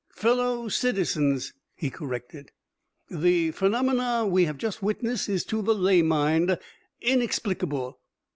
"Fellow citizens," he corrected, "the phenomenon we have just witnessed is, to the lay mind, inexplicable.